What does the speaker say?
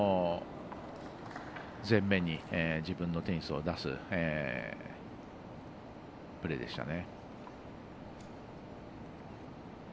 前面に自分のテニスを出すプレーでしたね。